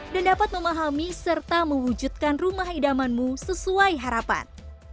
dan dapat memahami serta mewujudkan rumah idamanmu sesuai harapan